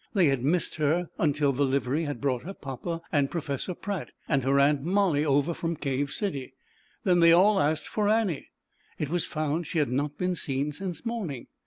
They had missed her until the livery had brought her Papa, and Pro fessor Pratt, and her aunt Molly over from Cave City. Then they all asked for Annie; it was found she had not been seen since morning.